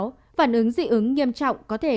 phản ứng dị ứng nghiêm trọng có thể